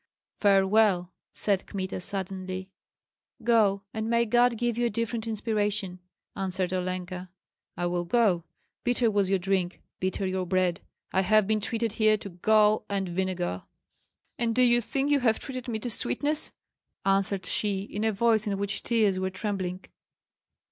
"Farewell!" said Kmita, suddenly. "Go, and may God give you a different inspiration!" answered Olenka. "I will go! Bitter was your drink, bitter your bread. I have been treated here to gall and vinegar." "And do you think you have treated me to sweetness?" answered she, in a voice in which tears were trembling.